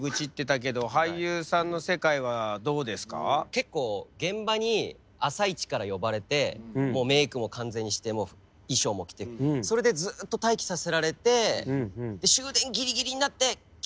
結構現場に朝一から呼ばれてもうメークも完全にして衣装も着てそれでずっと待機させられてええ！？